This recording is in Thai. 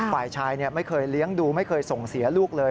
ฝ่ายชายไม่เคยเลี้ยงดูไม่เคยส่งเสียลูกเลย